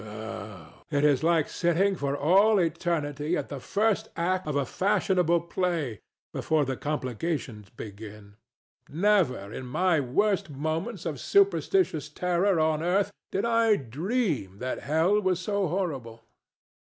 Ugh! it is like sitting for all eternity at the first act of a fashionable play, before the complications begin. Never in my worst moments of superstitious terror on earth did I dream that Hell was so horrible.